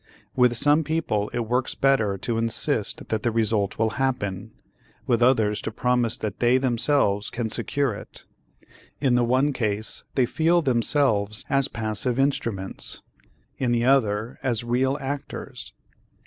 With some people, it works better to insist that the result will happen, with others to promise that they themselves can secure it; in the one case they feel themselves as passive instruments, in the other as real actors.